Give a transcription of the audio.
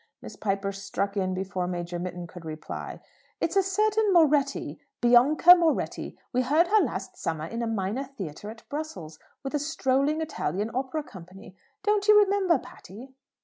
Miss Piper struck in before Major Mitton could reply. "It's a certain Moretti: Bianca Moretti. We heard her last summer in a minor theatre at Brussels, with a strolling Italian Opera Company. Don't you remember, Patty?"